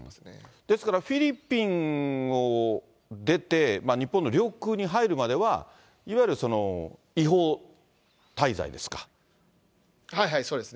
ですからフィリピンを出て、日本の領空に入るまでは、そうですね。